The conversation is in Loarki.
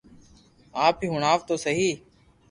آپ ھي ھڻاو تو سھي